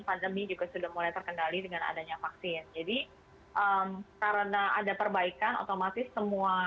pandemi juga sudah mulai terkendali dengan adanya vaksin jadi karena ada perbaikan otomatis semua